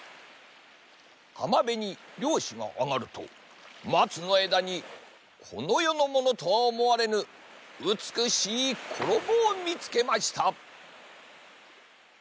はまべにりょうしがあがるとまつのえだにこのよのものとはおもわれぬうつくしいころもをみつけました。